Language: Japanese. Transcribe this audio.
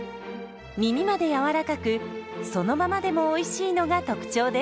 みみまでやわらかくそのままでもおいしいのが特徴です。